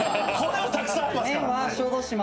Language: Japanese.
これはたくさんありますから。